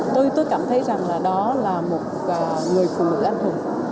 tôi cảm thấy rằng là đó là một người phụ nữ anh hùng